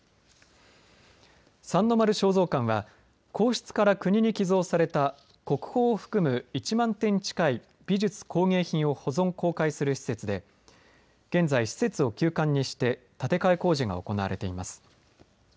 三の丸尚蔵館は皇室から国に寄贈された国宝を含む１万点近い美術、工芸品を保存、公開する施設で現在、施設を休館にして建て替え工事が行われています。